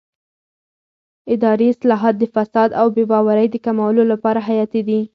اداري اصلاحات د فساد او بې باورۍ د کمولو لپاره حیاتي دي